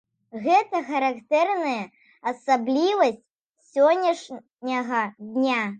Гэта характэрная асаблівасць сённяшняга дня.